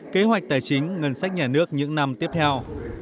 kế hoạch tài chính ngân sách nhà nước những năm tiếp theo